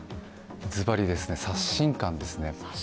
ずばり、刷新感ですね。